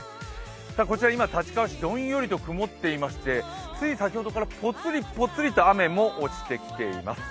こちら今、立川市、どんよりと曇っていましてつい先ほどから、ぽつりぽつりと雨も落ちてきています。